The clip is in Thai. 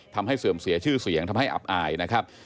เสื่อมเสียชื่อเสียงทำให้อับอายนะครับ